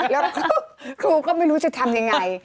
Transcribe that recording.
แล้วครูก็ไม่รู้จะทำยังไง